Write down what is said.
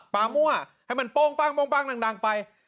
ปามั่วให้มันป้องป้องป้องดังไป